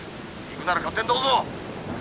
行くなら勝手にどうぞ！」。